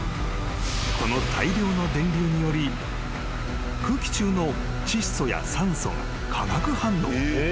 ［この大量の電流により空気中の窒素や酸素が化学反応］